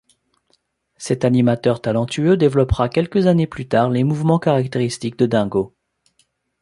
Cet animateur talentueux développera quelques années plus tard les mouvements caractéristiques de Dingo.